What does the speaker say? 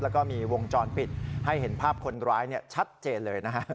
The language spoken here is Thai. แล้วก็มีวงจรปิดให้เห็นภาพคนร้ายชัดเจนเลยนะฮะ